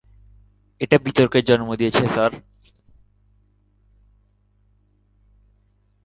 এটা বিতর্কের জন্ম দিয়েছে, স্যার।